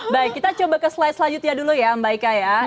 baik kita coba ke slide selanjutnya dulu ya mbak ika ya